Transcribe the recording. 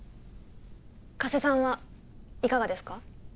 加瀬さんはいかがですか？